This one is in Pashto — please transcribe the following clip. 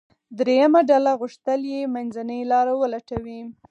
درېیمه ډله غوښتل یې منځنۍ لاره ولټوي.